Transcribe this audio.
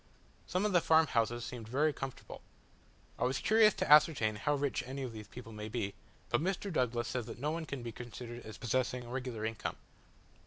Some of the farm houses seemed very comfortable. I was curious to ascertain how rich any of these people might be, but Mr. Douglas says that no one can be considered as possessing a regular income.